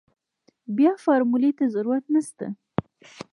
بيا فارمولې ته ضرورت نشته.